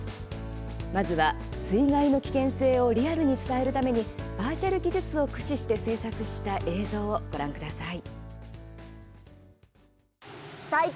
まずは、水害の危険性をリアルに伝えるためにバーチャル技術を駆使して制作した映像をご覧ください。